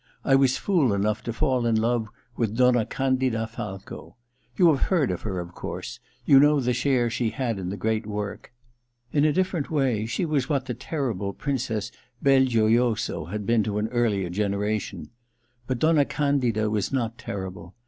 I was fool enough to fall in love with Donna Candida Falco. You have heard of her, of course : you know the share she had in the great work. In a different way she was what the terrible Princess Belgioioso had been to an earlier generation. But Donna Candida was not terril^e.